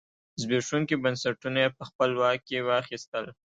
زبېښونکي بنسټونه یې په خپل واک کې واخیستل.